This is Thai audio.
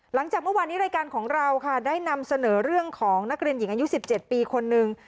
หลังจากเมื่อวานนี้รายการของเราค่ะได้นำเสนอเรื่องของนักเรียนหญิงอายุ๑๗ปีคนนึง